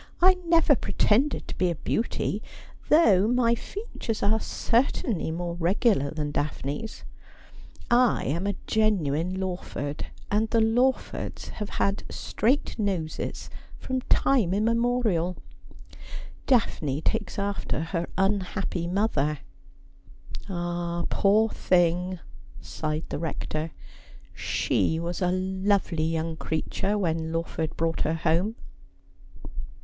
' I never pretended to be a beauty ; though my features are cer tainly more regular than Daphne's. I am a genuine Lawford, 186 Aspliodel. and the Lawfords have had straight noses from time immemo rial. Daphne takes after her unhappy mother.' ' Ah, poor thing !' sighed the Rector. ' She was a lovely young creature when Lawford brought her home.'